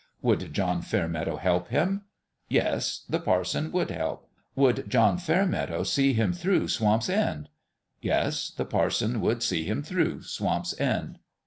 Would John Fairmeadow help him? Yes ; the parson would help. Would John Fairmeadow "see him through" Swamp's End? Yes; the parson would "see him through" Swamp's End.